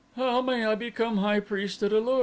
"How may I become high priest at A lur?"